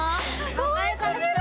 かわいすぎる。